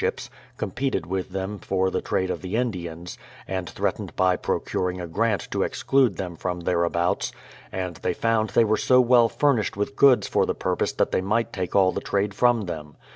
THE PLYlViOUTH SETTLEMENT 183 competed with them for the trade of the Indians, and threatened by procuring a grant to exclude them from thereabouts, — and they found they were so well furnished with goods for the purpose that they might take all the trade from them.